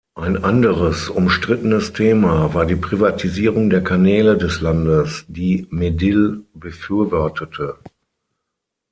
Ein anderes umstrittenes Thema war die Privatisierung der Kanäle des Landes, die Medill befürwortete.